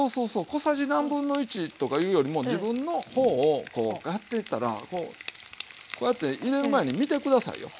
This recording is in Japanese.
小さじ何分の１とかいうよりも自分の方をこうやっていったらこうやって入れる前に見て下さいよ。ね。